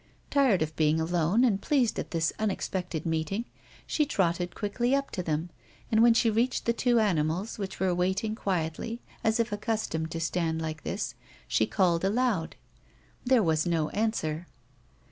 Tired of being alone and pleased at this unexpected meeting, she trotted quickly up to them, and when she reached the two animals, which were waiting quietly as if accustomed to stand like this, she called aloud. There was no answer.